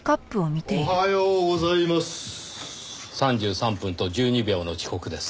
３３分と１２秒の遅刻です。